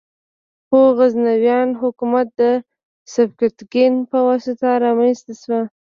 خو غزنویان حکومت د سبکتګین په واسطه رامنځته شو.